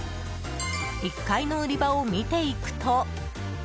１階の売り場を見ていくと。